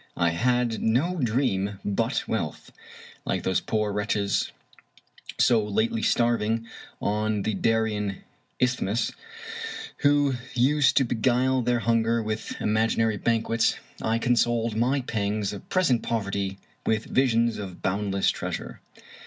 I had no dream but wealth. Like those poor wretches so lately starving on the Darien Isthmus, who used to beguile their hunger with imaginary banquets, I consoled my pangs of present poverty with visions of boundless treasure.